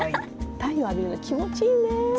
太陽浴びるの気持ちいいねぇ。